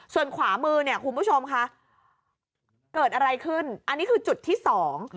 ส่วนขวามือเนี่ยคุณผู้ชมค่ะเกิดอะไรขึ้นอันนี้คือจุดที่สอง